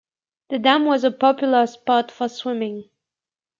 The dam was a popular spot for swimming.